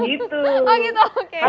harus itu sayangnya